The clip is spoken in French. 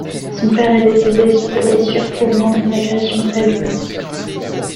Son père est décédé suite aux blessures provenant d'une agression très violente.